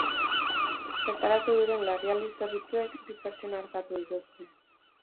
Bertaratu diren larrialdi zerbitzuek bi pertsona artatu dituzte.